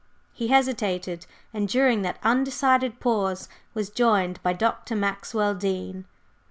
He hesitated, and during that undecided pause was joined by Dr. Maxwell Dean.